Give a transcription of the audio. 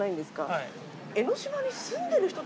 はい。